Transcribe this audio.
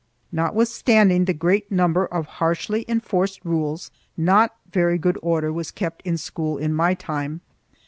Notwithstanding the great number of harshly enforced rules, not very good order was kept in school in my time.